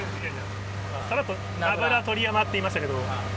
さらっとナブラ・鳥山って言いましたけど。